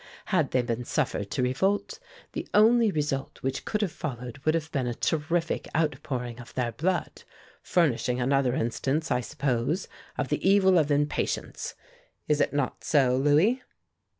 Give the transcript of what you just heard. Had they been suffered to revolt, the only result which could have followed would have been a terrific outpouring of their blood, furnishing another instance, I suppose, of the evil of impatience; is it not so, Louis?"